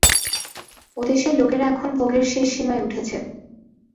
ওদেশের লোকেরা এখন ভোগের শেষ সীমায় উঠেছে।